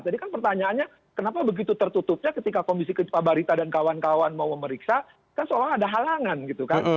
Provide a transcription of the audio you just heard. jadi kan pertanyaannya kenapa begitu tertutupnya ketika komisi kejaksaan pak barita dan kawan kawan mau memeriksa kan seolah olah ada halangan gitu kan